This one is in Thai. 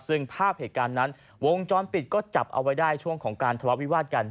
ซึ่งภาพเหตุการณ์นั้นวงจรปิดก็จับเอาไว้ได้ช่วงของการทะเลาะวิวาดกัน